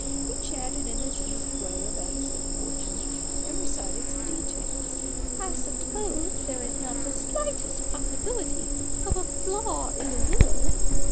He chatted in his easy way about his good fortune, and recited some details. " I suppose there is not the slightest possibility of a flaw in the will